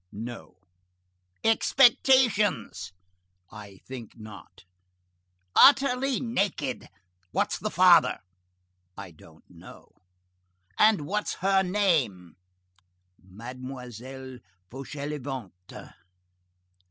"No." "Expectations?" "I think not." "Utterly naked! What's the father?" "I don't know." "And what's her name?" "Mademoiselle Fauchelevent."